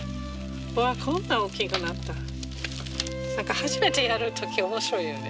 初めてやる時面白いよね。